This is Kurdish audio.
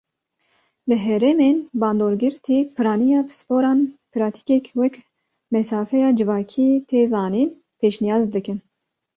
Li herêmên bandorgirtî, piraniya pisporan pratîkek wek mesafeya civakî tê zanîn pêşniyaz dikin.